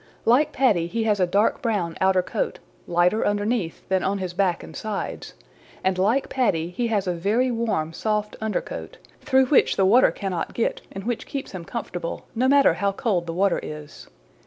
"Like Paddy he has a dark brown outer coat, lighter underneath than on his back and sides, and like Paddy he has a very warm soft under coat, through which the water cannot get and which keeps him comfortable, no matter how cold the water is.